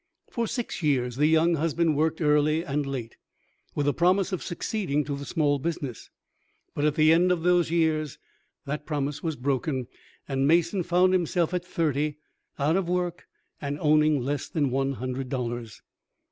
For six years the young husband worked early and late, with the promise of succeeding to the small business; but at the end of these years the promise was broken, and Mason found himself at thirty, out of work, and owning less than one hundred dollars.